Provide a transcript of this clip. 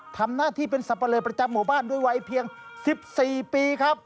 ทำหน้าที่เป็นสับปะเลอประจำหมู่บ้านด้วยวัยเพียง๑๔ปีครับ